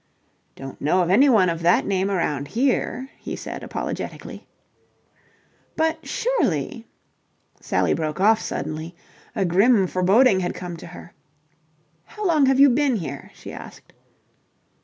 "Don't know of anyone of that name around here," he said, apologetically. "But surely..." Sally broke off suddenly. A grim foreboding had come to her. "How long have you been here?" she asked.